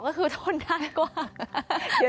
ก็คือทนได้กว่า